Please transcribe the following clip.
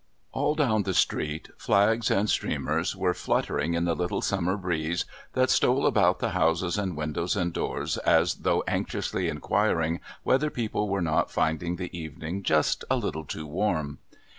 All down the street flags and streamers were fluttering in the little summer breeze that stole about the houses and windows and doors as though anxiously enquiring whether people were not finding the evening just a little too warm.